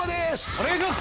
お願いします。